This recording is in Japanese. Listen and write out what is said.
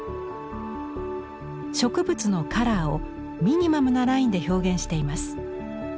植物のカラーをミニマムなラインで表現しています。